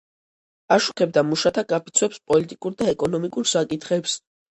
აშუქებდა მუშათა გაფიცვებს, პოლიტიკურ და ეკონომიკურ საკითხებს.